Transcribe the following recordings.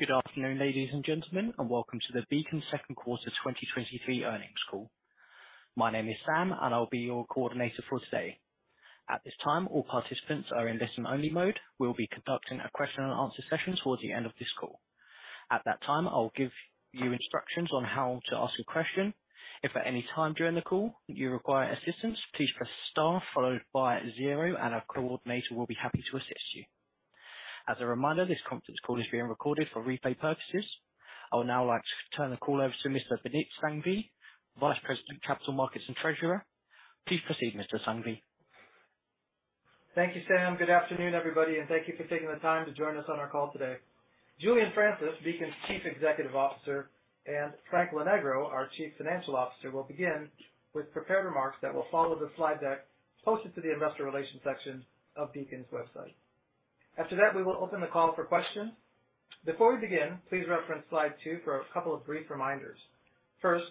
Good afternoon, ladies and gentlemen, welcome to the Beacon Second Quarter 2023 earnings call. My name is Sam, and I'll be your coordinator for today. At this time, all participants are in listen-only mode. We'll be conducting a question and answer session towards the end of this call. At that time, I'll give you instructions on how to ask a question. If at any time during the call you require assistance, please press star followed by zero, and a coordinator will be happy to assist you. As a reminder, this conference call is being recorded for replay purposes. I would now like to turn the call over to Mr. Binit Sanghvi, Vice President, Capital Markets and Treasurer. Please proceed, Mr. Sanghvi. Thank you, Sam. Good afternoon, everybody, and thank you for taking the time to join us on our call today. Julian Francis, Beacon's Chief Executive Officer, and Frank Lonegro, our Chief Financial Officer, will begin with prepared remarks that will follow the slide deck posted to the Investor Relations section of Beacon's website. After that, we will open the call for questions. Before we begin, please reference slide two for a couple of brief reminders. First,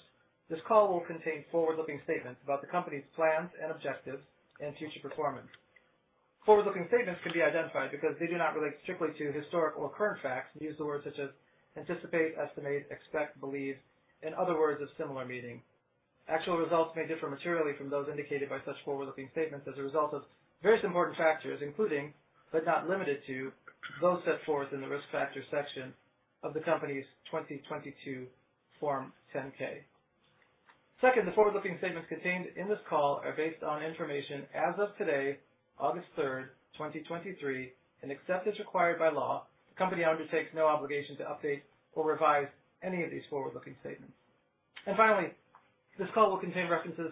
this call will contain forward-looking statements about the company's plans and objectives and future performance. Forward-looking statements can be identified because they do not relate strictly to historical or current facts and use the words such as anticipate, estimate, expect, believe, and other words of similar meaning. Actual results may differ materially from those indicated by such forward-looking statements as a result of various important factors, including, but not limited to, those set forth in the Risk Factors section of the company's 2022 Form 10-K. Second, the forward-looking statements contained in this call are based on information as of today, August 3rd, 2023, and except as required by law, the company undertakes no obligation to update or revise any of these forward-looking statements. Finally, this call will contain references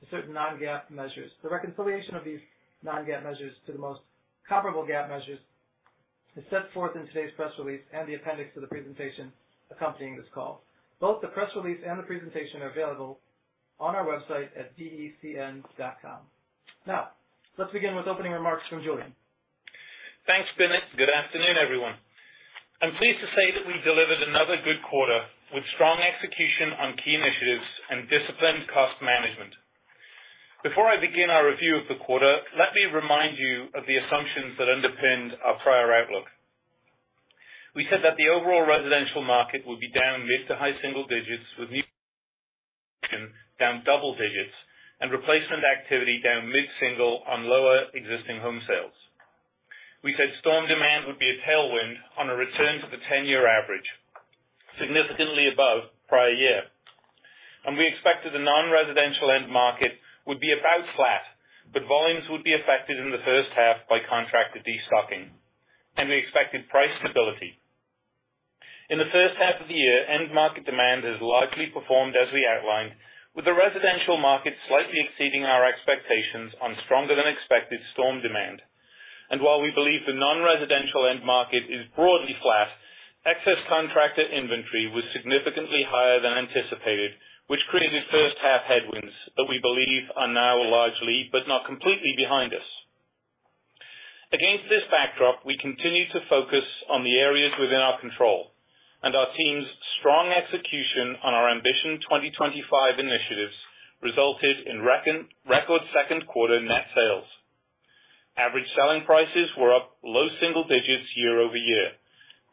to certain non-GAAP measures. The reconciliation of these non-GAAP measures to the most comparable GAAP measures is set forth in today's press release and the appendix to the presentation accompanying this call. Both the press release and the presentation are available on our website at becn.com. Now, let's begin with opening remarks from Julian. Thanks, Binit. Good afternoon, everyone. I'm pleased to say that we delivered another good quarter with strong execution on key initiatives and disciplined cost management. Before I begin our review of the quarter, let me remind you of the assumptions that underpinned our prior outlook. We said that the overall residential market would be down mid- to high-single digits, with new down double digits and replacement activity down mid-single on lower existing home sales. We said storm demand would be a tailwind on a return to the 10-year average, significantly above prior year. We expected the non-residential end market would be about flat, but volumes would be affected in the first half by contractor destocking, and we expected price stability. In the first half of the year, end market demand has largely performed as we outlined, with the residential market slightly exceeding our expectations on stronger-than-expected storm demand. While we believe the non-residential end market is broadly flat, excess contractor inventory was significantly higher than anticipated, which created first half headwinds that we believe are now largely, but not completely behind us. Against this backdrop, we continue to focus on the areas within our control and our team's strong execution on our Ambition 2025 initiatives resulted in record second quarter net sales. Average selling prices were up low single digits year-over-year,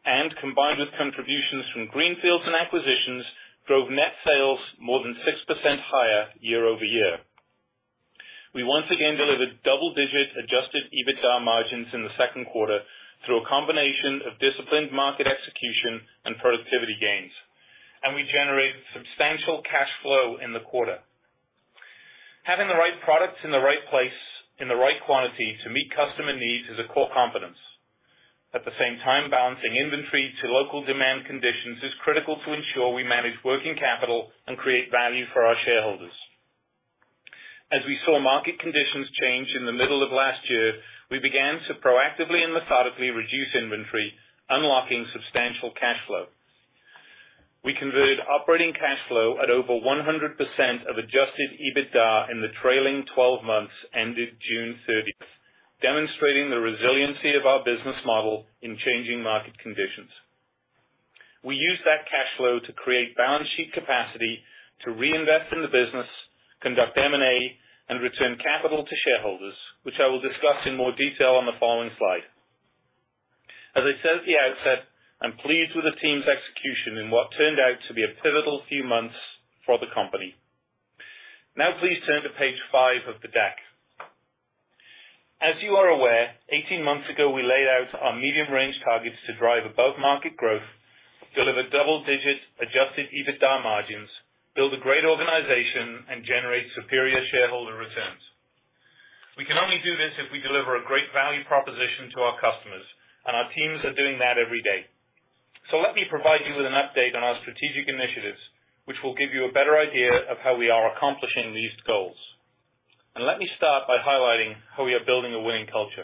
and combined with contributions from greenfields and acquisitions, drove net sales more than 6% higher year-over-year. We once again delivered double-digit adjusted EBITDA margins in the second quarter through a combination of disciplined market execution and productivity gains, and we generated substantial cash flow in the quarter. Having the right products in the right place, in the right quantity to meet customer needs is a core competence. At the same time, balancing inventory to local demand conditions is critical to ensure we manage working capital and create value for our shareholders. As we saw market conditions change in the middle of last year, we began to proactively and methodically reduce inventory, unlocking substantial cash flow. We converted operating cash flow at over 100% of adjusted EBITDA in the trailing 12 months ended June 30th, demonstrating the resiliency of our business model in changing market conditions. We used that cash flow to create balance sheet capacity to reinvest in the business, conduct M&A, and return capital to shareholders, which I will discuss in more detail on the following slide. As I said at the outset, I'm pleased with the team's execution in what turned out to be a pivotal few months for the company. Now, please turn to page five of the deck. As you are aware, 18 months ago, we laid out our medium-range targets to drive above-market growth, deliver double-digit adjusted EBITDA margins, build a great organization, and generate superior shareholder returns. We can only do this if we deliver a great value proposition to our customers, and our teams are doing that every day. Let me provide you with an update on our strategic initiatives, which will give you a better idea of how we are accomplishing these goals. Let me start by highlighting how we are building a winning culture.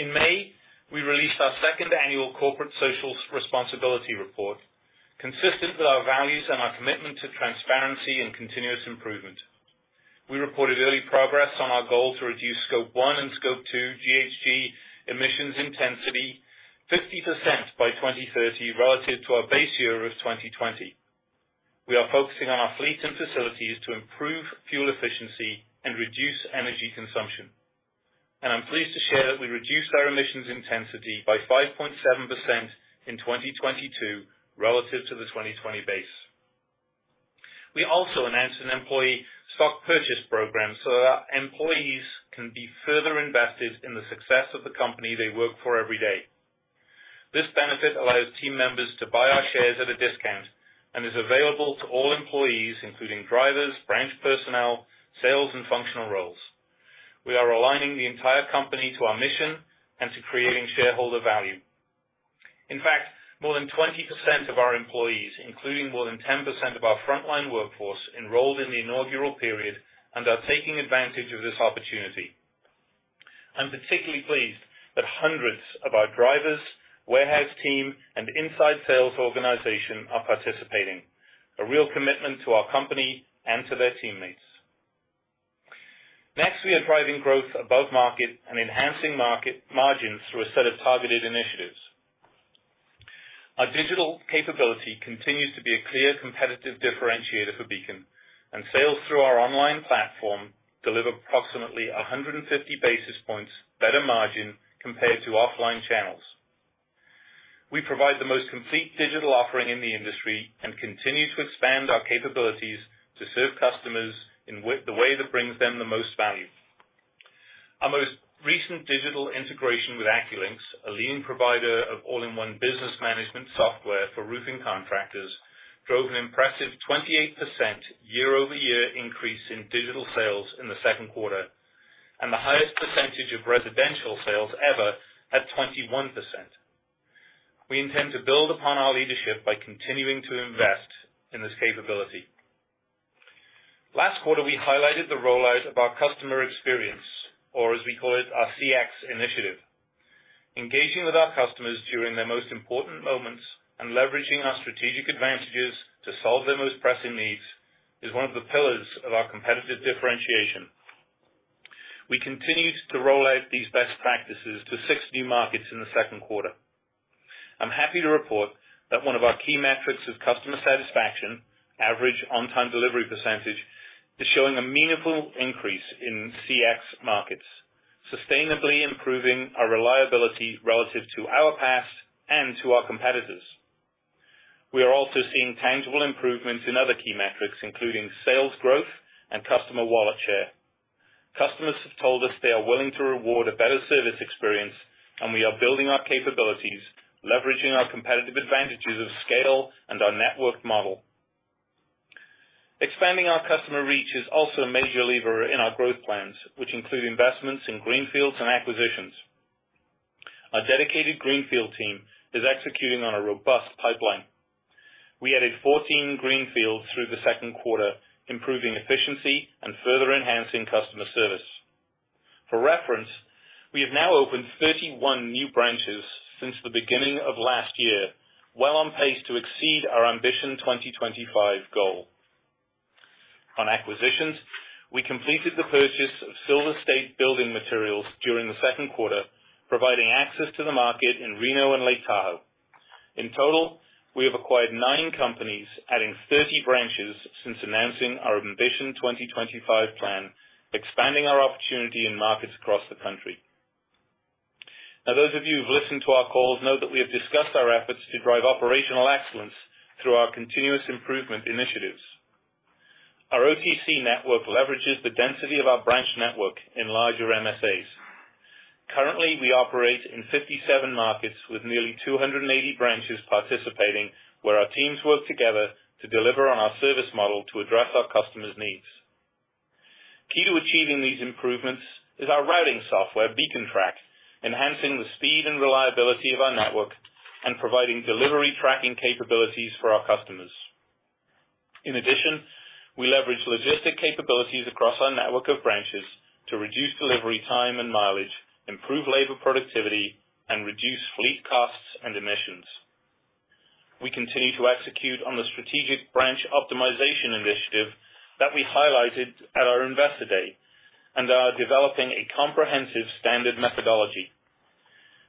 In May, we released our second annual Corporate Social Responsibility Report, consistent with our values and our commitment to transparency and continuous improvement. We reported early progress on our goal to reduce Scope 1 and Scope 2 GHG emissions intensity 50% by 2030, relative to our base year of 2020. We are focusing on our fleet and facilities to improve fuel efficiency and reduce energy consumption. I'm pleased to share that we reduced our emissions intensity by 5.7% in 2022 relative to the 2020 base. We also announced an Employee Stock Purchase program so that our employees can be further invested in the success of the company they work for every day. This benefit allows team members to buy our shares at a discount and is available to all employees, including drivers, branch personnel, sales, and functional roles. We are aligning the entire company to our mission and to creating shareholder value. In fact, more than 20% of our employees, including more than 10% of our frontline workforce, enrolled in the inaugural period and are taking advantage of this opportunity. I'm particularly pleased that hundreds of our drivers, warehouse team, and inside sales organization are participating. A real commitment to our company and to their teammates. Next, we are driving growth above market and enhancing market margins through a set of targeted initiatives. Our digital capability continues to be a clear competitive differentiator for Beacon, and sales through our online platform deliver approximately 150 basis points better margin compared to offline channels. We provide the most complete digital offering in the industry and continue to expand our capabilities to serve customers in the way that brings them the most value. Our most recent digital integration with AccuLynx, a leading provider of all-in-one business management software for roofing contractors, drove an impressive 28% year-over-year increase in digital sales in the second quarter, and the highest percentage of residential sales ever at 21%. We intend to build upon our leadership by continuing to invest in this capability. Last quarter, we highlighted the rollout of our customer experience, or as we call it, our CX initiative. Engaging with our customers during their most important moments and leveraging our strategic advantages to solve their most pressing needs, is one of the pillars of our competitive differentiation. We continued to roll out these best practices to six new markets in the second quarter. I'm happy to report that one of our key metrics of customer satisfaction, average on-time delivery percentage, is showing a meaningful increase in CX markets, sustainably improving our reliability relative to our past and to our competitors. We are also seeing tangible improvements in other key metrics, including sales growth and customer wallet share. Customers have told us they are willing to reward a better service experience, and we are building our capabilities, leveraging our competitive advantages of scale and our network model. Expanding our customer reach is also a major lever in our growth plans, which include investments in greenfields and acquisitions. Our dedicated greenfield team is executing on a robust pipeline. We added 14 greenfields through the second quarter, improving efficiency and further enhancing customer service. For reference, we have now opened 31 new branches since the beginning of last year, well on pace to exceed our Ambition 2025 goal. On acquisitions, we completed the purchase of Silver State Building Materials during the second quarter, providing access to the market in Reno and Lake Tahoe. In total, we have acquired nine companies, adding 30 branches since announcing our Ambition 2025 plan, expanding our opportunity in markets across the country. Those of you who've listened to our calls know that we have discussed our efforts to drive operational excellence through our continuous improvement initiatives. Our OTC network leverages the density of our branch network in larger MSAs. Currently, we operate in 57 markets with nearly 280 branches participating, where our teams work together to deliver on our service model to address our customers' needs. Key to achieving these improvements is our routing software, Beacon Track, enhancing the speed and reliability of our network and providing delivery tracking capabilities for our customers. In addition, we leverage logistic capabilities across our network of branches to reduce delivery time and mileage, improve labor productivity, and reduce fleet costs and emissions. We continue to execute on the strategic branch optimization initiative that we highlighted at our Investor Day and are developing a comprehensive standard methodology.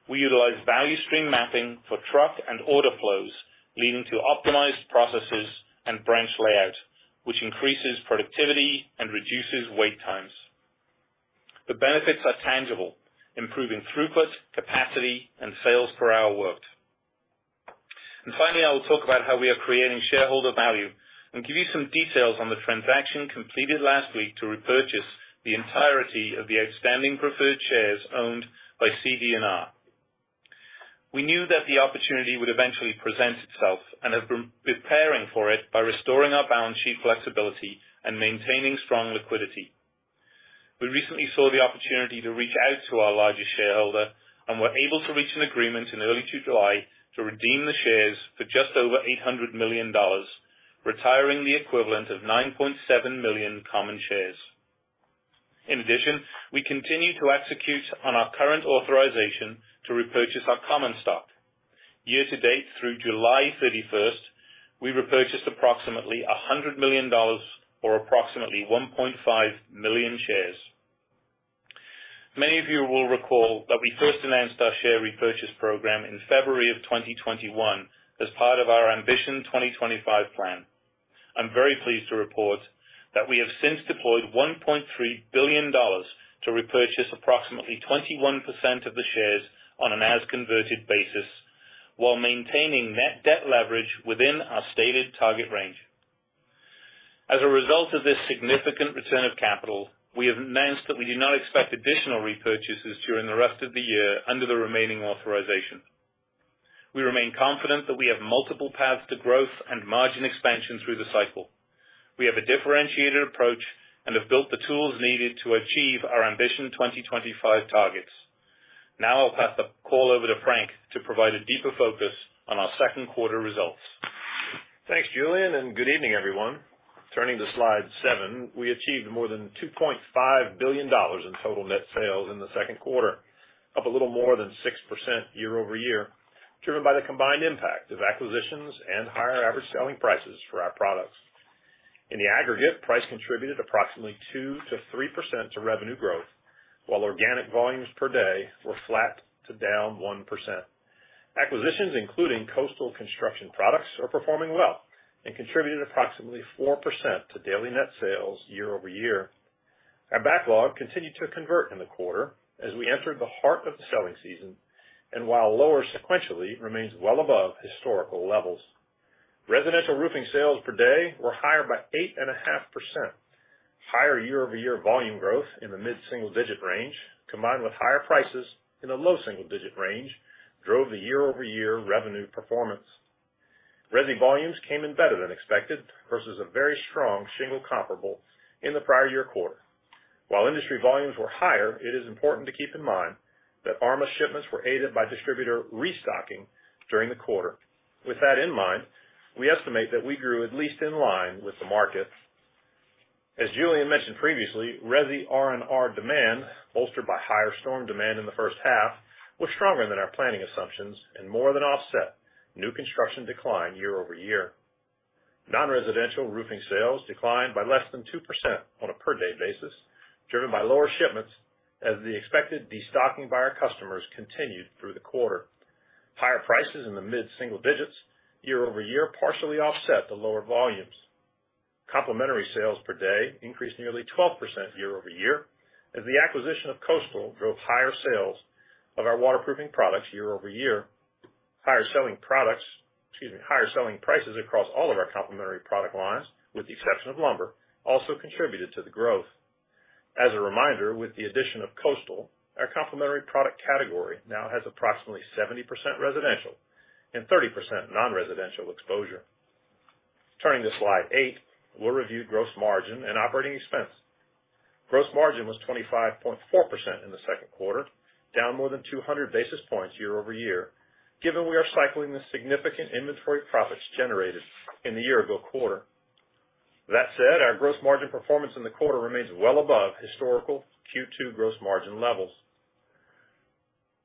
We utilize value stream mapping for truck and order flows, leading to optimized processes and branch layout, which increases productivity and reduces wait times. The benefits are tangible, improving throughput, capacity, and sales per hour worked. Finally, I will talk about how we are creating shareholder value and give you some details on the transaction completed last week to repurchase the entirety of the outstanding preferred shares owned by CD&R. We knew that the opportunity would eventually present itself and have been preparing for it by restoring our balance sheet flexibility and maintaining strong liquidity. We recently saw the opportunity to reach out to our largest shareholder and were able to reach an agreement in early July to redeem the shares for just over $800 million, retiring the equivalent of 9.7 million common shares. In addition, we continue to execute on our current authorization to repurchase our common stock. Year-to-date, through July 31st, we repurchased approximately $100 million, or approximately 1.5 million shares. Many of you will recall that we first announced our share repurchase program in February of 2021 as part of our Ambition 2025 plan. I'm very pleased to report that we have since deployed $1.3 billion to repurchase approximately 21% of the shares on an as-converted basis, while maintaining net debt leverage within our stated target range. As a result of this significant return of capital, we have announced that we do not expect additional repurchases during the rest of the year under the remaining authorization. We remain confident that we have multiple paths to growth and margin expansion through the cycle. We have a differentiated approach and have built the tools needed to achieve our Ambition 2025 targets. Now I'll pass the call over to Frank to provide a deeper focus on our second quarter results. Thanks, Julian, and good evening, everyone. Turning to slide seven, we achieved more than $2.5 billion in total net sales in the second quarter, up a little more than 6% year-over-year, driven by the combined impact of acquisitions and higher average selling prices for our products. In the aggregate, price contributed approximately 2%-3% to revenue growth, while organic volumes per day were flat to down 1%. Acquisitions, including Coastal Construction Products, are performing well and contributed approximately 4% to daily net sales year-over-year. Our backlog continued to convert in the quarter as we entered the heart of the selling season, and while lower sequentially, remains well above historical levels. Residential roofing sales per day were higher by 8.5%. Higher year-over-year volume growth in the mid-single-digit range, combined with higher prices in the low single-digit range, drove the year-over-year revenue performance. Resi volumes came in better than expected versus a very strong shingle comparable in the prior year quarter. While industry volumes were higher, it is important to keep in mind that ARMA shipments were aided by distributor restocking during the quarter. With that in mind, we estimate that we grew at least in line with the market. As Julian mentioned previously, resi R&R demand, bolstered by higher storm demand in the first half, was stronger than our planning assumptions and more than offset new construction decline year-over-year. Non-residential roofing sales declined by less than 2% on a per-day basis, driven by lower shipments as the expected destocking by our customers continued through the quarter. Higher prices in the mid-single digits year-over-year, partially offset the lower volumes. Complementary sales per day increased nearly 12% year-over-year as the acquisition of Coastal drove higher sales of our waterproofing products year-over-year. Higher selling products, excuse me, higher selling prices across all of our complementary product lines, with the exception of lumber, also contributed to the growth. As a reminder, with the addition of Coastal, our complementary product category now has approximately 70% residential and 30% non-residential exposure. Turning to slide eight, we'll review gross margin and operating expense. Gross margin was 25.4% in the second quarter, down more than 200 basis points year-over-year, given we are cycling the significant inventory profits generated in the year ago quarter. That said, our gross margin performance in the quarter remains well above historical Q2 gross margin levels.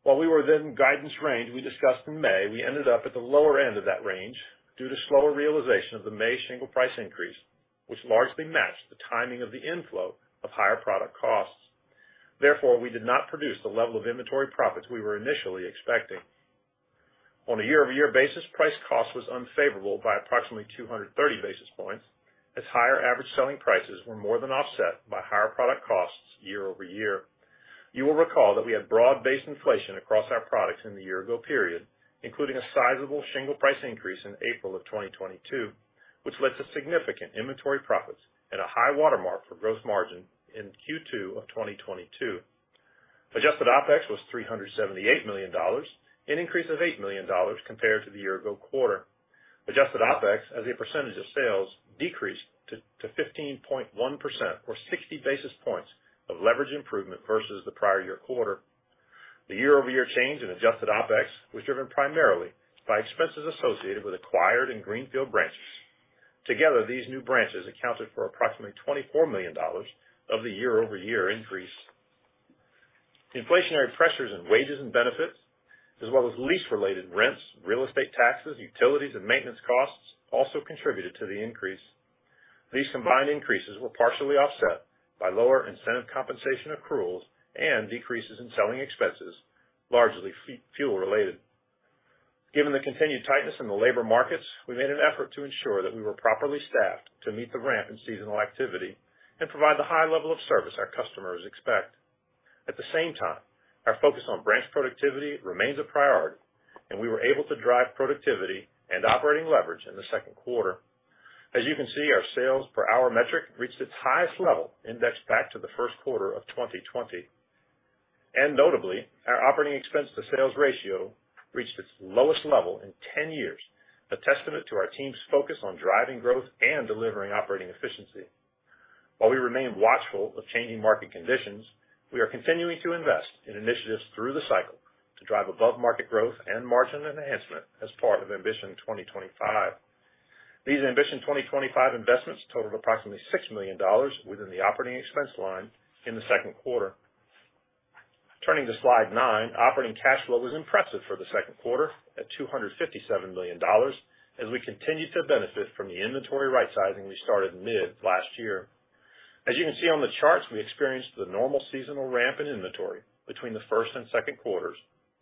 While we were within guidance range we discussed in May, we ended up at the lower end of that range due to slower realization of the May shingle price increase, which largely matched the timing of the inflow of higher product costs. Therefore, we did not produce the level of inventory profits we were initially expecting. On a year-over-year basis, price cost was unfavorable by approximately 230 basis points, as higher average selling prices were more than offset by higher product costs year-over-year. You will recall that we had broad-based inflation across our products in the year ago period, including a sizable shingle price increase in April of 2022, which led to significant inventory profits at a high watermark for gross margin in Q2 of 2022. Adjusted OpEx was $378 million, an increase of $8 million compared to the year-ago quarter. Adjusted OpEx, as a percentage of sales, decreased to 15.1%, or 60 basis points of leverage improvement versus the prior year quarter. The year-over-year change in adjusted OpEx was driven primarily by expenses associated with acquired and greenfield branches. Together, these new branches accounted for approximately $24 million of the year-over-year increase. Inflationary pressures in wages and benefits, as well as lease-related rents, real estate taxes, utilities, and maintenance costs also contributed to the increase. These combined increases were partially offset by lower incentive compensation accruals and decreases in selling expenses, largely fuel related. Given the continued tightness in the labor markets, we made an effort to ensure that we were properly staffed to meet the ramp in seasonal activity and provide the high level of service our customers expect. At the same time, our focus on branch productivity remains a priority, and we were able to drive productivity and operating leverage in the second quarter. As you can see, our sales per hour metric reached its highest level index back to the first quarter of 2020, and notably, our operating expense to sales ratio reached its lowest level in 10 years, a testament to our team's focus on driving growth and delivering operating efficiency. While we remain watchful of changing market conditions, we are continuing to invest in initiatives through the cycle to drive above-market growth and margin enhancement as part of Ambition 2025. These Ambition 2025 investments totaled approximately $6 million within the operating expense line in the second quarter. Turning to slide nine, operating cash flow was impressive for the second quarter at $257 million, as we continued to benefit from the inventory rightsizing we started mid last year. You can see on the charts, we experienced the normal seasonal ramp in inventory between the first and second quarters.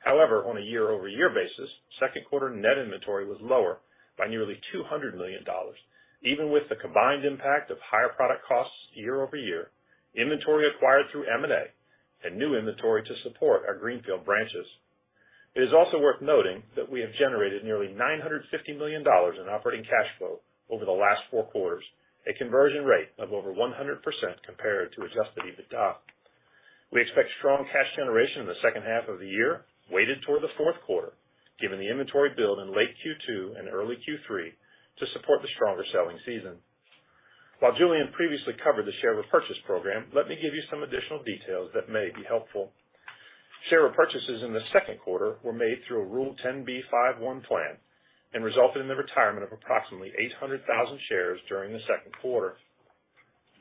On a year-over-year basis, second quarter net inventory was lower by nearly $200 million, even with the combined impact of higher product costs year-over-year, inventory acquired through M&A, and new inventory to support our greenfield branches. It is also worth noting that we have generated nearly $950 million in operating cash flow over the last four quarters, a conversion rate of over 100% compared to adjusted EBITDA. We expect strong cash generation in the second half of the year, weighted toward the fourth quarter, given the inventory build in late Q2 and early Q3 to support the stronger selling season. While Julian previously covered the share repurchase program, let me give you some additional details that may be helpful. Share repurchases in the second quarter were made through a Rule 10b5-1 plan and resulted in the retirement of approximately 800,000 shares during the second quarter.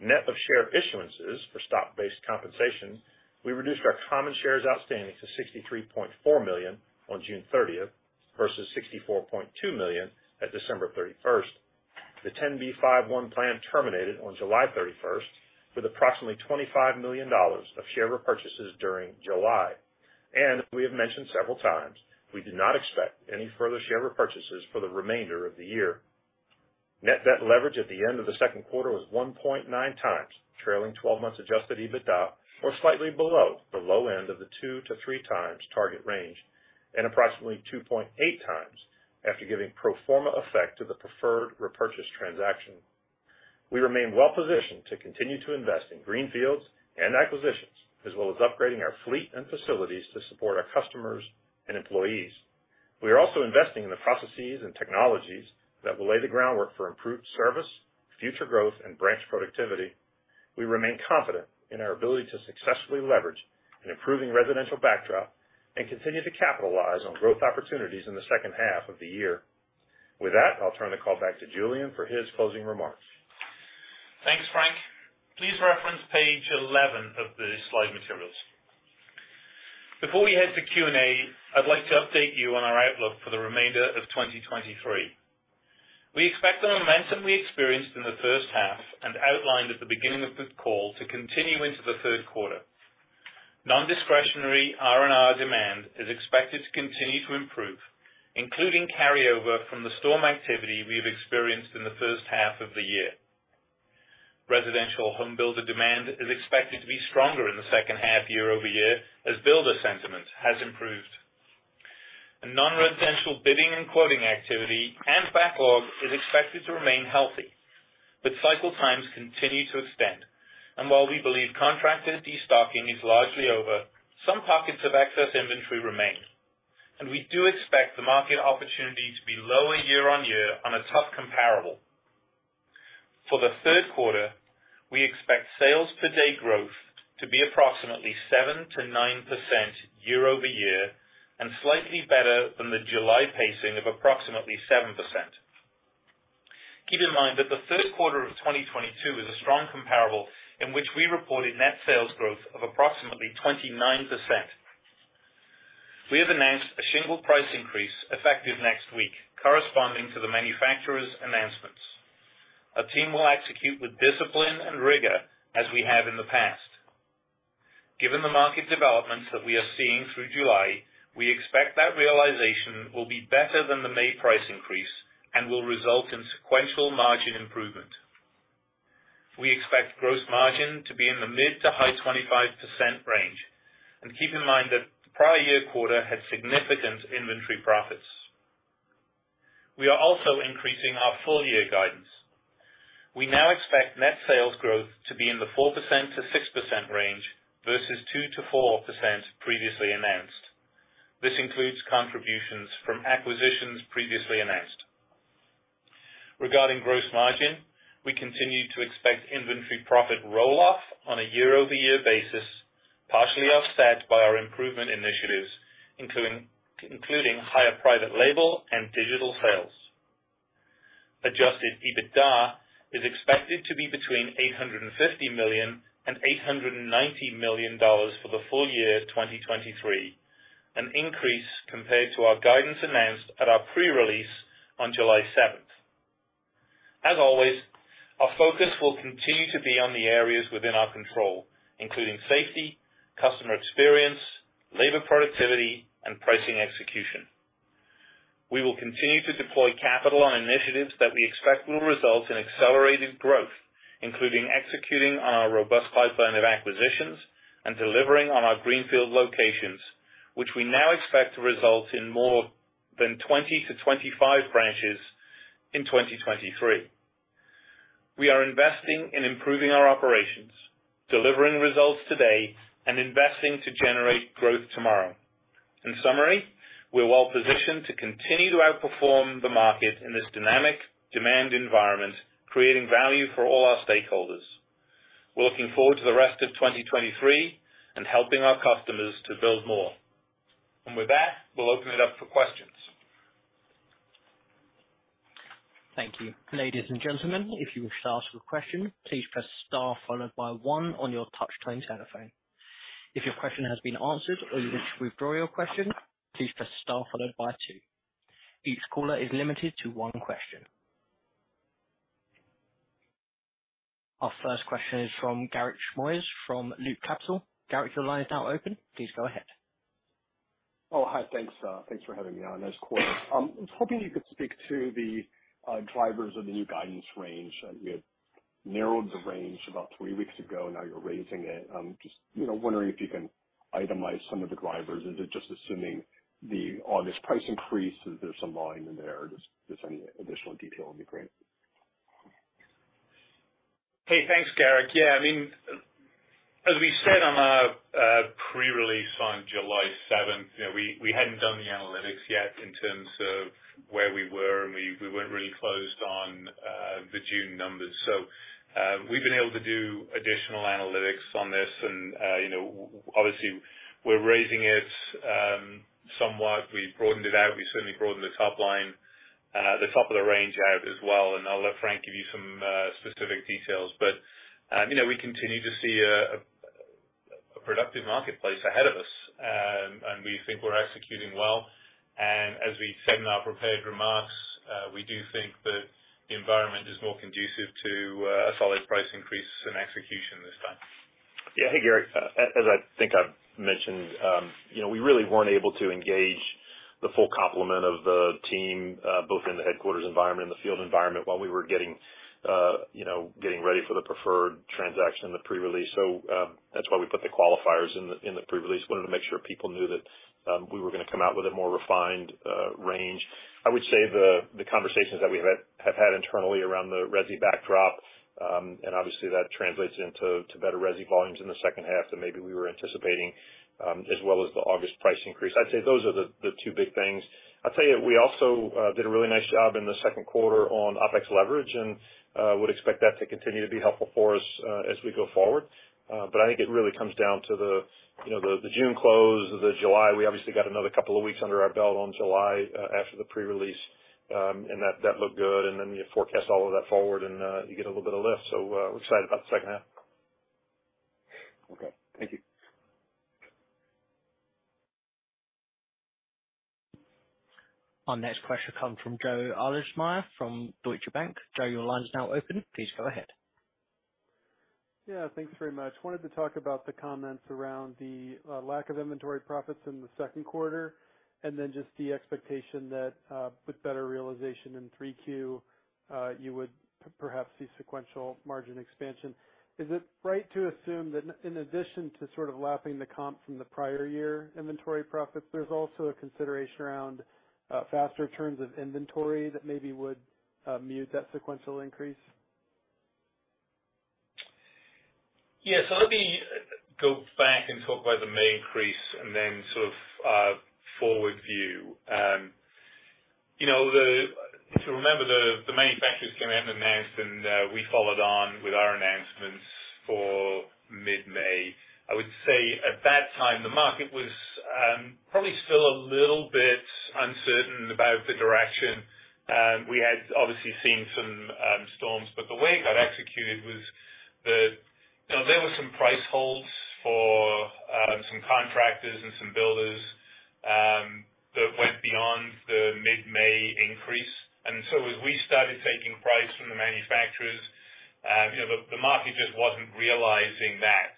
Net of share issuances for stock-based compensation, we reduced our common shares outstanding to 63.4 million on June 30th versus 64.2 million at December 31st. The 10b5-1 plan terminated on July 31st, with approximately $25 million of share repurchases during July, and we have mentioned several times, we do not expect any further share repurchases for the remainder of the year. Net debt leverage at the end of the second quarter was 1.9 times trailing 12 months adjusted EBITDA, or slightly below the low end of the 2-3 times target range, and approximately 2.8 times after giving pro forma effect to the preferred repurchase transaction. We remain well positioned to continue to invest in greenfields and acquisitions, as well as upgrading our fleet and facilities to support our customers and employees. We are also investing in the processes and technologies that will lay the groundwork for improved service, future growth, and branch productivity. We remain confident in our ability to successfully leverage an improving residential backdrop and continue to capitalize on growth opportunities in the second half of the year. With that, I'll turn the call back to Julian for his closing remarks. Thanks, Frank. Please reference page 11 of the slide materials. Before we head to Q&A, I'd like to update you on our outlook for the remainder of 2023. We expect the momentum we experienced in the first half and outlined at the beginning of this call to continue into the third quarter. Non-discretionary R&R demand is expected to continue to improve, including carryover from the storm activity we have experienced in the first half of the year. Residential home builder demand is expected to be stronger in the second half, year-over-year, as builder sentiment has improved. Non-residential bidding and quoting activity and backlog is expected to remain healthy, but cycle times continue to extend. While we believe contractors destocking is largely over, some pockets of excess inventory remain, and we do expect the market opportunity to be lower year-on-year on a tough comparable. For the third quarter, we expect sales per day growth to be approximately 7%-9% year-over-year and slightly better than the July pacing of approximately 7%. Keep in mind that the third quarter of 2022 is a strong comparable in which we reported net sales growth of approximately 29%. We have announced a shingle price increase effective next week, corresponding to the manufacturers' announcements. Our team will execute with discipline and rigor, as we have in the past. Given the market developments that we are seeing through July, we expect that realization will be better than the May price increase and will result in sequential margin improvement. We expect gross margin to be in the mid to high 25% range, and keep in mind that the prior year quarter had significant inventory profits. We are also increasing our full-year guidance. We now expect net sales growth to be in the 4%-6% range versus 2%-4% previously announced. This includes contributions from acquisitions previously announced. Regarding gross margin, we continue to expect inventory profit roll-off on a year-over-year basis, partially offset by our improvement initiatives, including higher private label and digital sales. Adjusted EBITDA is expected to be between $850 million and $890 million for the full year 2023, an increase compared to our guidance announced at our pre-release on July 7th. As always, our focus will continue to be on the areas within our control, including safety, customer experience, labor productivity, and pricing execution. We will continue to deploy capital on initiatives that we expect will result in accelerated growth, including executing on our robust pipeline of acquisitions and delivering on our greenfield locations, which we now expect to result in more than 20-25 branches in 2023. We are investing in improving our operations, delivering results today, and investing to generate growth tomorrow. In summary, we're well positioned to continue to outperform the market in this dynamic demand environment, creating value for all our stakeholders. We're looking forward to the rest of 2023 and helping our customers to build more. With that, we'll open it up for questions. Thank you. Ladies and gentlemen, if you wish to ask a question, please press star followed by one on your touch-tone telephone. If your question has been answered or you wish to withdraw your question, please press star followed by two. Each caller is limited to one question. Our first question is from Garik Shmois from Loop Capital. Garik, your line is now open. Please go ahead. Oh, hi. Thanks, thanks for having me on. Nice quarter. I was hoping you could speak to the drivers of the new guidance range. You had narrowed the range about three weeks ago, now you're raising it. I'm just, you know, wondering if you can itemize some of the drivers. Is it just assuming the August price increase, is there some volume in there, or just if there's any additional detail would be great. Hey, thanks, Garik. Yeah, I mean, as we said on our pre-release on July 7, you know, we, we hadn't done the analytics yet in terms of where we were, and we, we weren't really closed on the June numbers. We've been able to do additional analytics on this and, you know, obviously, we're raising it somewhat. We broadened it out. We certainly broadened the top line, the top of the range out as well, and I'll let Frank Lonegro give you some specific details. You know, we continue to see a productive marketplace ahead of us, and we think we're executing well. As we said in our prepared remarks, we do think that the environment is more conducive to a solid price increase and execution this time. Yeah. Hey, Garik. As I think I've mentioned, you know, we really weren't able to engage the full complement of the team, both in the headquarters environment and the field environment, while we were getting, you know, getting ready for the preferred transaction and the pre-release. That's why we put the qualifiers in the, in the pre-release. Wanted to make sure people knew that we were gonna come out with a more refined range. I would say the, the conversations that we have had internally around the resi backdrop, and obviously that translates into to better resi volumes in the second half than maybe we were anticipating, as well as the August price increase. I'd say those are the, the two big things. I'll tell you, we also did a really nice job in the second quarter on OpEx leverage, and would expect that to continue to be helpful for us as we go forward. I think it really comes down to the, you know, the June close, the July. We obviously got another couple of weeks under our belt on July after the pre-release. That, that looked good, and then you forecast all of that forward and you get a little bit of lift. We're excited about the second half. Okay. Thank you. Our next question comes from Joe Ahlersmeyer from Deutsche Bank. Joe, your line is now open. Please go ahead. Yeah, thanks very much. Wanted to talk about the comments around the lack of inventory profits in the second quarter, and then just the expectation that with better realization in 3Q, you would perhaps see sequential margin expansion. Is it right to assume that in addition to sort of lapping the comp from the prior year inventory profits, there's also a consideration around faster terms of inventory that maybe would mute that sequential increase? Yeah, so let me go back and talk about the May increase and then sort of, forward view. You know, if you remember, the manufacturers came out and announced, and we followed on with our announcements for mid-May. I would say at that time, the market was probably still a little bit uncertain about the direction. We had obviously seen some storms, but the way it got executed was that, you know, there were some price holds for some contractors and some builders that went beyond the mid-May increase. As we started taking price from the manufacturers, you know, the market just wasn't realizing that.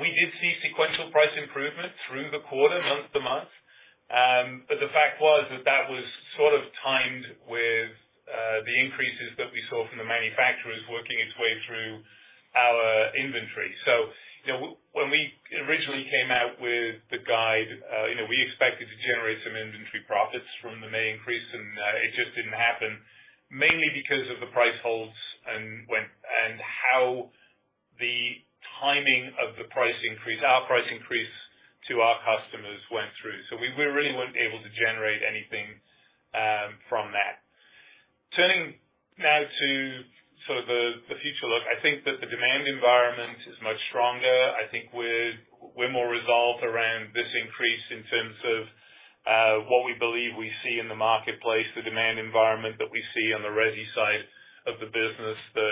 We did see sequential price improvement through the quarter, month to month, but the fact was that that was sort of timed with the increases that we saw from the manufacturers working its way through our inventory. You know, when we originally came out with the guide, you know, we expected to generate some inventory profits from the May increase, and it just didn't happen, mainly because of the price holds and how the timing of the price increase, our price increase to our customers went through. We, we really weren't able to generate anything from that. Turning now to sort of the, the future look, I think that the demand environment is much stronger. I think we're, we're more resolved around this increase in terms of what we believe we see in the marketplace, the demand environment that we see on the resi side of the business. The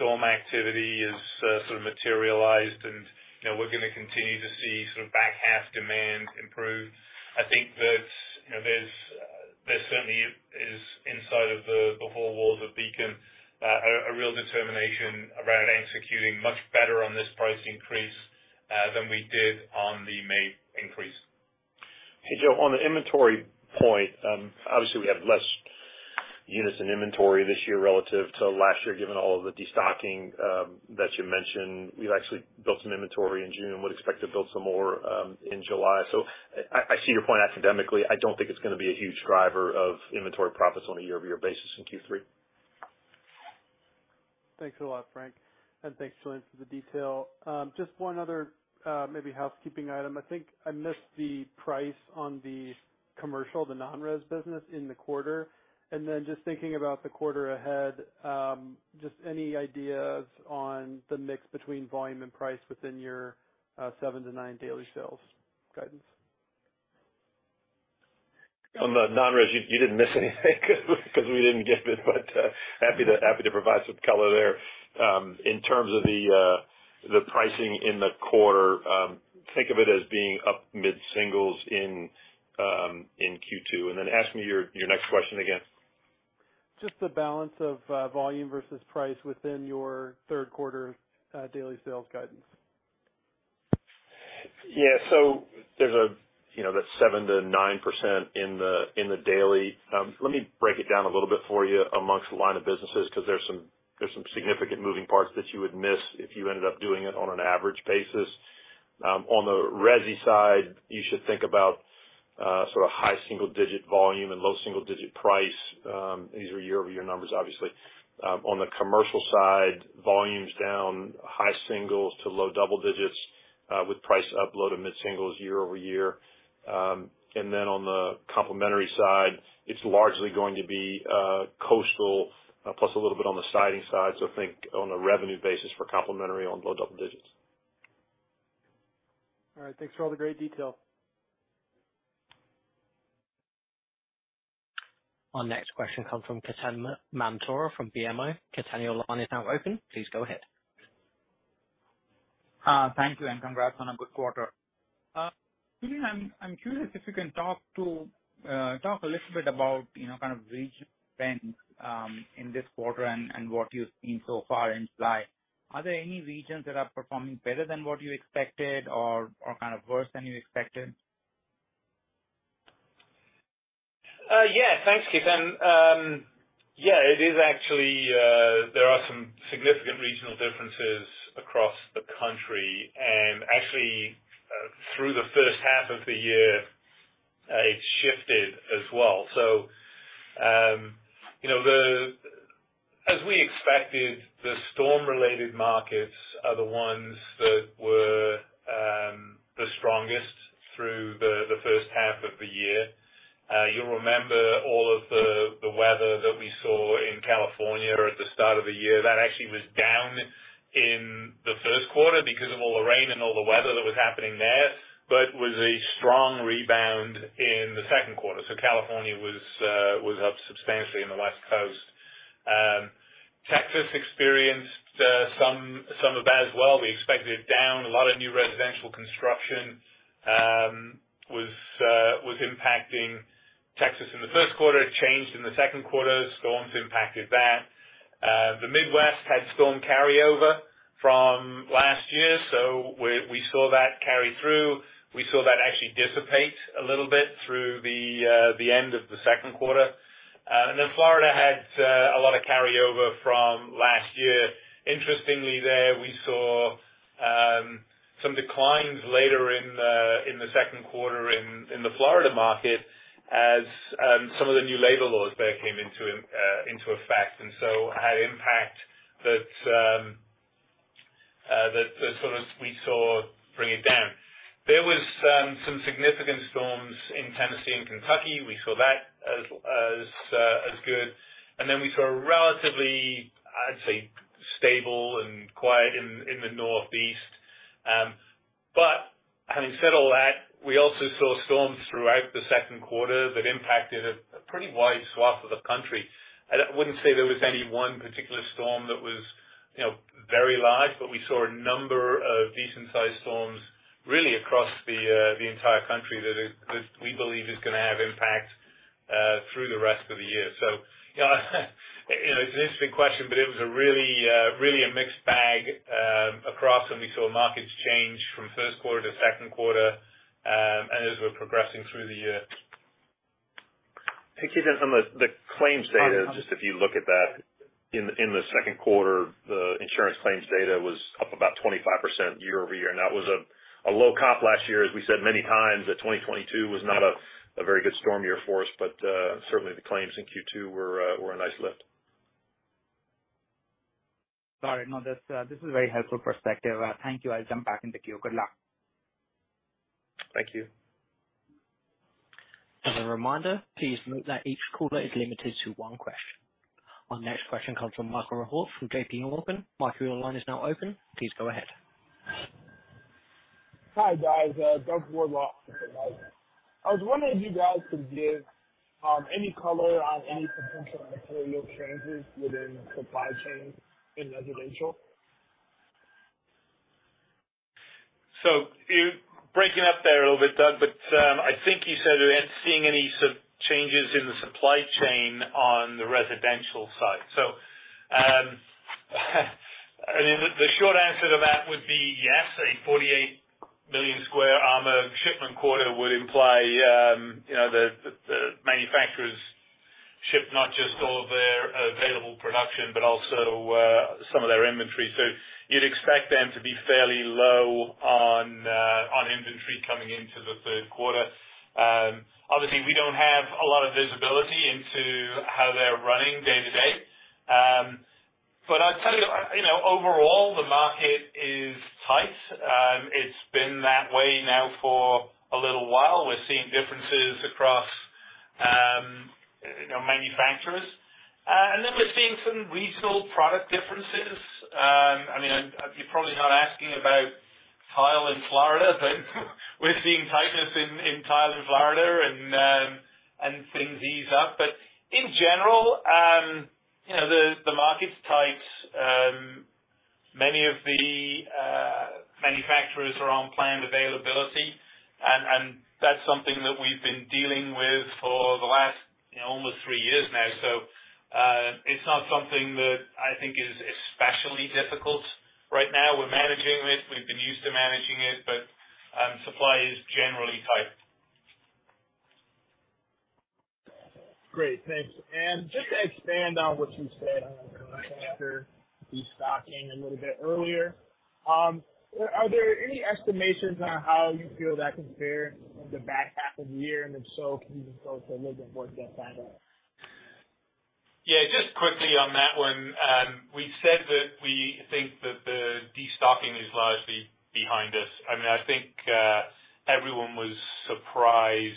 storm activity is sort of materialized and, you know, we're gonna continue to see sort of back half demand improve. I think that, you know, there certainly is inside of the four walls of Beacon a real determination around executing much better on this price increase than we did on the May increase. Hey, Joe, on the inventory point, obviously we have less units in inventory this year relative to last year, given all of the destocking that you mentioned. We've actually built some inventory in June and would expect to build some more in July. I, I see your point academically. I don't think it's gonna be a huge driver of inventory profits on a year-over-year basis in Q3. Thanks a lot, Frank, and thanks, Julian, for the detail. Just one other, maybe housekeeping item. I think I missed the price on the commercial, the non-res business in the quarter. Just thinking about the quarter ahead, just any ideas on the mix between volume and price within your, seven to nine daily sales guidance? On the non-res, you, you didn't miss anything because we didn't give it, but happy to provide some color there. In terms of the pricing in the quarter, think of it as being up mid-singles in Q2. Then ask me your, your next question again. Just the balance of volume versus price within your third quarter daily sales guidance? Yeah. There's a, you know, that 7%-9% in the, in the daily. Let me break it down a little bit for you amongst the line of businesses, 'cause there's some, there's some significant moving parts that you would miss if you ended up doing it on an average basis. On the resi side, you should think about sort of high single-digit volume and low single-digit price. These are year-over-year numbers, obviously. On the commercial side, volume's down high single-digits to low double-digits, with price up low to mid single-digits year-over-year. And then on the complementary side, it's largely going to be coastal plus a little bit on the siding side. Think on a revenue basis for complementary on low double-digits. All right. Thanks for all the great detail. Our next question comes from Ketan Mamtora from BMO. Ketan, your line is now open. Please go ahead. Thank you, and congrats on a good quarter. Julian, I'm, I'm curious if you can talk to, talk a little bit about, you know, kind of regional trends, in this quarter and what you've seen so far in supply. Are there any regions that are performing better than what you expected or, or kind of worse than you expected? Yeah. Thanks, Ketan. Yeah, it is actually, there are some significant regional differences across the country. Actually, through the first half of the year, it's shifted as well. You know, as we expected, the storm-related markets are the ones that were the strongest through the first half of the year. You'll remember all of the, the weather that we saw in California at the start of the year. That actually was down in the first quarter because of all the rain and all the weather that was happening there, but was a strong rebound in the second quarter. California was up substantially in the West Coast. Texas experienced some, some of that as well. We expected it down. A lot of new residential construction was impacting Texas in the first quarter. It changed in the second quarter. Storms impacted that. The Midwest had storm carryover from last year, so we, we saw that carry through. We saw that actually dissipate a little bit through the end of the second quarter. Florida had a lot of carryover from last year. Interestingly, there, we saw some declines later in the second quarter in the Florida market as some of the new labor laws there came into effect, and so had impact that, that sort of we saw bring it down. There was some significant storms in Tennessee and Kentucky. We saw that as, as good. Then we saw a relatively, I'd say, stable and quiet in, in the Northeast. Having said all that, we also saw storms throughout the second quarter that impacted a pretty wide swath of the country. I wouldn't say there was any one particular storm that was, you know, very large, but we saw a number of decent-sized storms really across the entire country that we believe is gonna have impact through the rest of the year. You know, you know, it's an interesting question, but it was a really, really a mixed bag across, and we saw markets change from first quarter to second quarter, and as we're progressing through the year. Hey, Ketan, on the, the claims data, just if you look at that in, in Q2, the insurance claims data was up about 25% year-over-year, and that was a, a low comp last year. As we said many times, that 2022 was not a, a very good storm year for us, but certainly the claims in Q2 were a, were a nice lift. Got it. No, this, this is a very helpful perspective. Thank you. I'll jump back in the queue. Good luck. Thank you. As a reminder, please note that each caller is limited to one question. Our next question comes from Michael Rehaut from JP Morgan. Michael, your line is now open. Please go ahead. Hi, guys, Doug Wardlaw for Michael. I was wondering if you guys could give any color on any potential material changes within the supply chain in residential? You're breaking up there a little bit, Doug, but, I think you said, are we seeing any sort of changes in the supply chain on the residential side? I mean, the, the short answer to that would be yes. A 48 million square ARMA shipment quarter would imply, you know, the, the, the manufacturers ship not just all their available production, but also, some of their inventory. You'd expect them to be fairly low on, on inventory coming into the third quarter. Obviously, we don't have a lot of visibility into how they're running day to day. I'll tell you, you know, overall, the market is tight. It's been that way now for a little while. We're seeing differences across, you know, manufacturers. We're seeing some regional product differences. I mean, we're seeing tightness in, in tile in Florida and, and things ease up. In general, you know, the market's tight. Many of the manufacturers are on planned availability, and that's something that we've been dealing with for the last, you know, almost three years now. It's not something that I think is especially difficult right now. We're managing it. We've been used to managing it, but supply is generally tight. Great. Thanks. Just to expand on what you said on contractor destocking a little bit earlier, are, are there any estimations on how you feel that compares in the back half of the year? If so, can you just go into a little bit more detail on that? Yeah, just quickly on that one, we've said that we think that the destocking is largely behind us. I mean, I think, everyone was surprised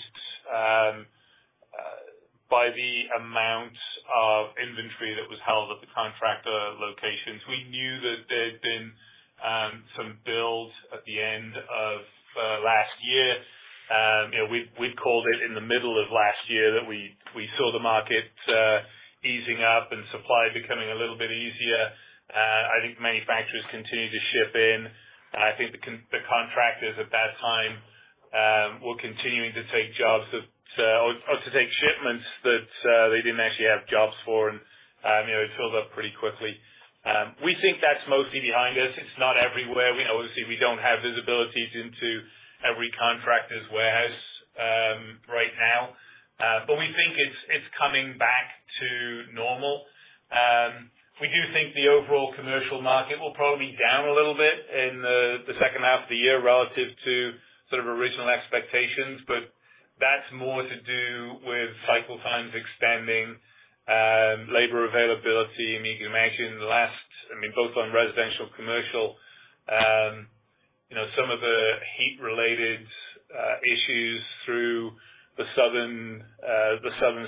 by the amount of inventory that was held at the contractor locations. We knew that there'd been some build at the end of last year. You know, we'd called it in the middle of last year that we saw the market easing up and supply becoming a little bit easier. I think manufacturers continued to ship in, and I think the contractors at that time were continuing to take jobs that, or to take shipments that they didn't actually have jobs for. You know, it built up pretty quickly. We think that's mostly behind us. It's not everywhere. We obviously, we don't have visibility into every contractor's warehouse, right now. We think it's, it's coming back to normal. We do think the overall commercial market will probably be down a little bit in the second half of the year relative to sort of original expectations, but that's more to do with cycle times extending, labor availability. I mean, you can imagine, I mean, both on residential and commercial, you know, some of the heat-related issues through the southern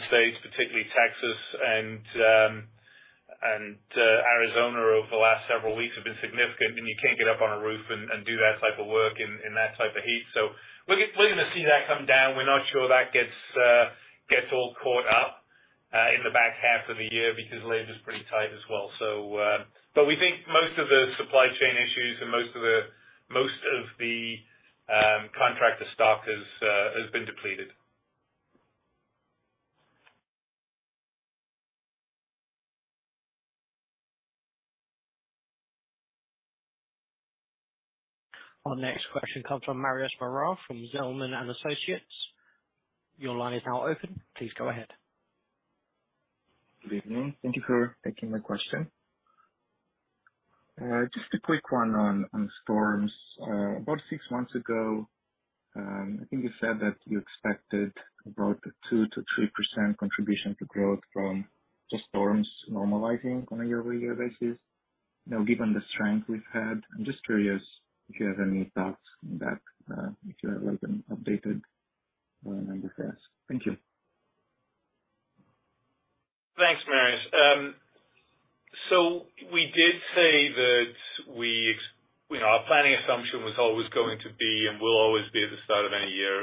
states, particularly Texas and Arizona, over the last several weeks have been significant. You can't get up on a roof and do that type of work in that type of heat. We're gonna see that come down. We're not sure that gets gets all caught up in the back half of the year because labor's pretty tight as well. But we think most of the supply chain issues and most of the, most of the contractor stock has has been depleted. Our next question comes from Marius Morar from Zelman & Associates. Your line is now open. Please go ahead. Good evening. Thank you for taking my question. Just a quick one on, on storms. About six months ago, I think you said that you expected about a 2%-3% contribution to growth from the storms normalizing on a year-over-year basis. Now, given the strength we've had, I'm just curious if you have any thoughts on that, if you have like an updated number for us. Thank you. Thanks, Marius. We did say that we, you know, our planning assumption was always going to be, and will always be at the start of any year,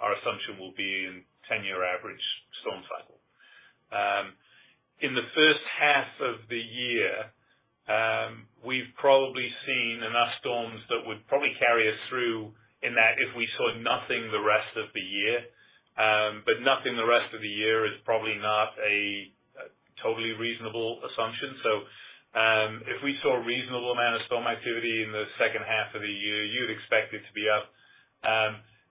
our assumption will be in 10-year average storm cycle. In the first half of the year, we've probably seen enough storms that would probably carry us through in that if we saw nothing the rest of the year. Nothing the rest of the year is probably not a, a totally reasonable assumption. If we saw a reasonable amount of storm activity in the second half of the year, you'd expect it to be up.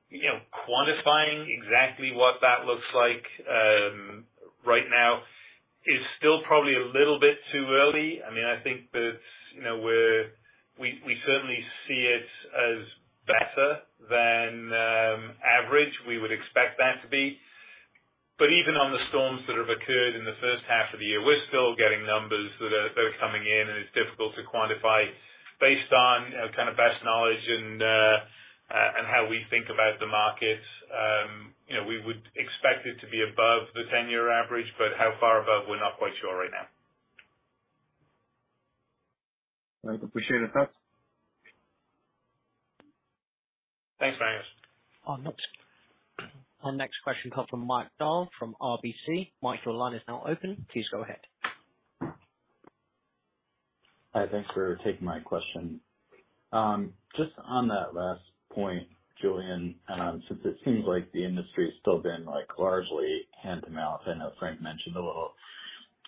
You know, quantifying exactly what that looks like, right now is still probably a little bit too early. I mean, I think that, you know, we certainly see it as better than average. We would expect that to be. Even on the storms that have occurred in the first half of the year, we're still getting numbers that are coming in, and it's difficult to quantify. Based on, you know, kind of best knowledge and how we think about the market, you know, we would expect it to be above the 10-year average, but how far above, we're not quite sure right now. Right. Appreciate the thoughts. Thanks, Marius. Our next question comes from Mike Dahl from RBC. Mike, your line is now open. Please go ahead. Hi, thanks for taking my question. Just on that last point, Julian, since it seems like the industry has still been like largely hand to mouth. I know Frank mentioned a little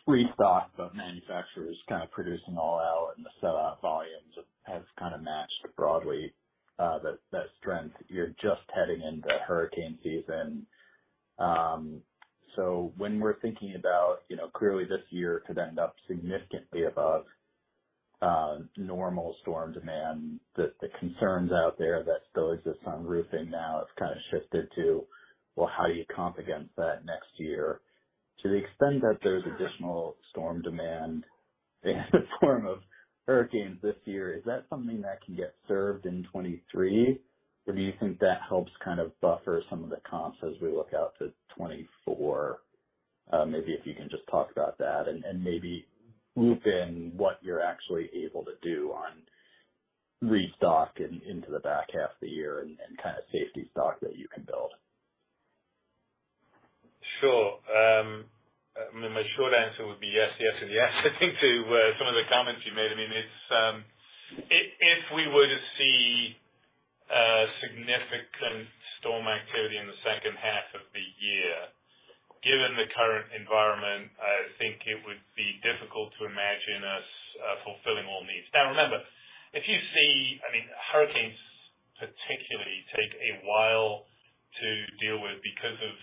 restock, manufacturers kind of producing all out and the sellout volumes have, has kind of matched broadly that, that trend. You're just heading into hurricane season. When we're thinking about, you know, clearly this year could end up significantly above normal storm demand, the concerns out there that still exists on roofing now has kind of shifted to: Well, how do you comp against that next year? To the extent that there's additional storm demand in the form of hurricanes this year, is that something that can get served in 2023? Do you think that helps kind of buffer some of the comps as we look out to 2024?... Maybe if you can just talk about that and, and maybe loop in what you're actually able to do on restock into the back half of the year and, and kind of safety stock that you can build. Sure. I mean, my short answer would be yes, yes, and yes, I think to some of the comments you made. I mean, it's if we were to see significant storm activity in the second half of the year, given the current environment, I think it would be difficult to imagine us fulfilling all needs. Now, remember, if you see... I mean, hurricanes particularly take a while to deal with because of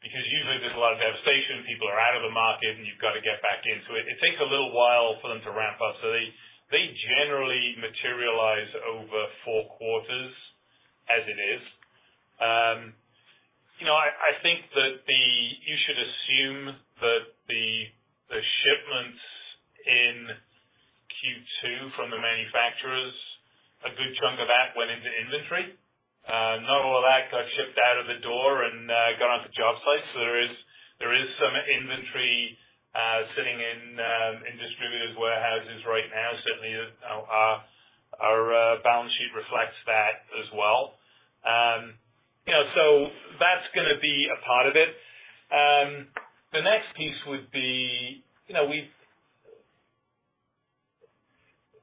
because usually there's a lot of devastation. People are out of the market, and you've got to get back into it. It takes a little while for them to ramp up. They, they generally materialize over four quarters as it is. You know, I, I think that you should assume that the, the shipments in Q2 from the manufacturers, a good chunk of that went into inventory. Not all of that got shipped out of the door and gone onto job sites. There is, there is some inventory sitting in distributors' warehouses right now. Certainly, you know, our balance sheet reflects that as well. You know, so that's gonna be a part of it. The next piece would be, you know, we've-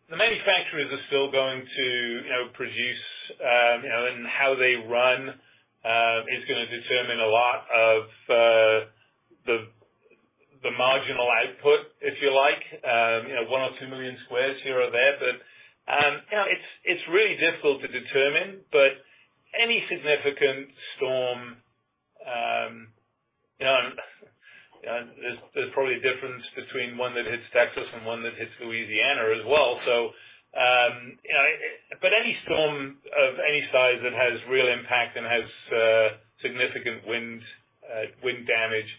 the manufacturers are still going to, you know, produce, you know, and how they run is gonna determine a lot of the marginal output, if you like, you know, one or two million squares here or there. You know, it's, it's really difficult to determine, but any significant storm, you know, there's, there's probably a difference between one that hits Texas and one that hits Louisiana as well. You know, but any storm of any size that has real impact and has significant wind, wind damage,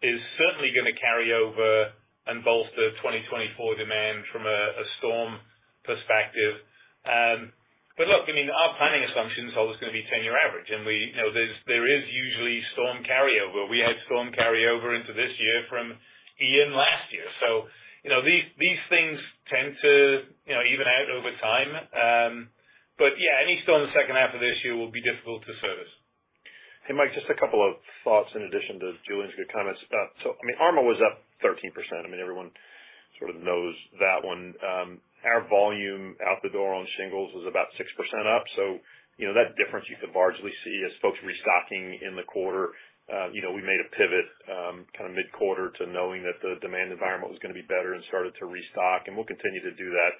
is certainly gonna carry over and bolster 2024 demand from a storm perspective. Look, I mean, our planning assumption is always gonna be 10-year average, and we, you know, there is usually storm carryover. We had storm carryover into this year from Ian last year. You know, these, these things tend to, you know, even out over time. Yeah, any storm in the second half of this year will be difficult to service. Hey, Mike, just a couple of thoughts in addition to Julian's good comments. I mean, ARMA was up 13%. I mean, everyone sort of knows that one. Our volume out the door on shingles was about 6% up. You know, that difference you can largely see is folks restocking in the quarter. You know, we made a pivot, kind of mid-quarter to knowing that the demand environment was going to be better and started to restock, and we'll continue to do that,